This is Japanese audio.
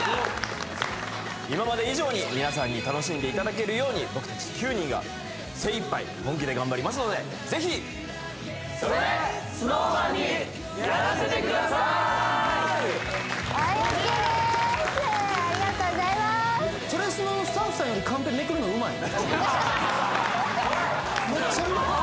今まで以上に皆さんに楽しんでいただけるように僕たち９人が精いっぱい本気で頑張りますのでぜひそれＳｎｏｗＭａｎにやらせて下さいはいＯＫですありがとうございます「それスノ」のめっちゃうまい「それスノ」